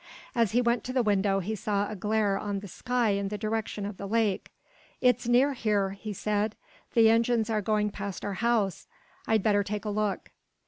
As he went to the window he saw a glare on the sky in the direction of the lake. "It is near here!" he said. "The engines are going past our house! I'd better take a look."